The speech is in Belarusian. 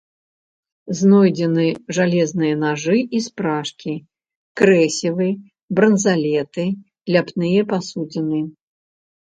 Знойдзены жалезныя нажы і спражкі, крэсівы, бранзалеты, ляпныя пасудзіны.